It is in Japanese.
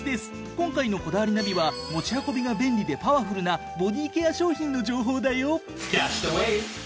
今回の『こだわりナビ』は持ち運びが便利でパワフルなボディケア商品の情報だよ。